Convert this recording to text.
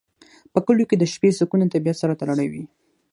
په کلیو کې د شپې سکون د طبیعت سره تړلی وي.